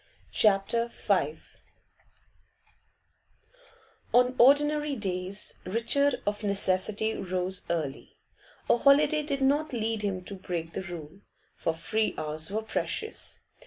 CHAPTER V On ordinary days Richard of necessity rose early; a holiday did not lead him to break the rule, for free hours were precious.